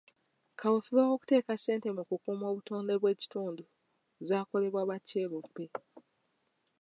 Kaweefube w'okuteeka ssente mu kukuuma obutonde bw'ekitundu zaakolebwa ba kyeruppe.